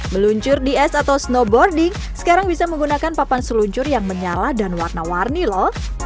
meluncur di es atau snowboarding sekarang bisa menggunakan papan seluncur yang menyala dan warna warni loh